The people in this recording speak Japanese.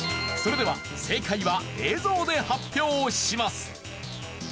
それでは正解は映像で発表します。